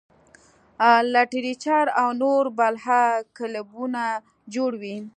لټرېچر او نور بلها کلبونه جوړ وي -